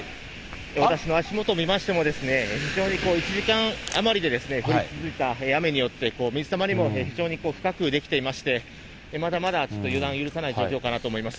私の足元見ましても、非常にこう、１時間余りで降り続いた雨によって、水たまりも非常に深く出来ていまして、まだまだ予断を許さない状況かなと思います。